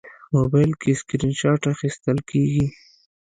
موبایل کې سکرین شات اخیستل کېږي.